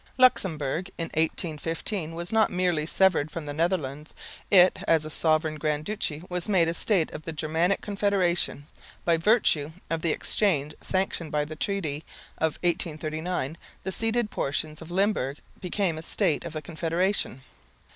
Luxemburg in 1815 was not merely severed from the Netherlands; it, as a sovereign grand duchy, was made a state of the Germanic confederation. By virtue of the exchange sanctioned by the treaty of 1839, the ceded portion of Limburg became a state of the confederation.